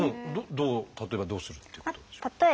どう例えばどうするっていうことでしょう？